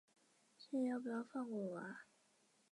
是要不要放过我啊